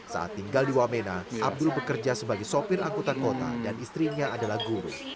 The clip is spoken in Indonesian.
saat tinggal di wamena abdul bekerja sebagai sopir angkutan kota dan istrinya adalah guru